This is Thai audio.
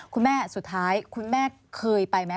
คุณแม่สุดท้ายคุณแม่เคยไปไหม